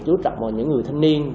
chú trọng vào những người thanh niên